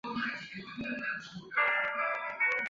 金山寺舍利塔的历史年代为元代。